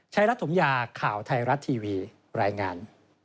รัฐถมยาข่าวไทยรัฐทีวีรายงาน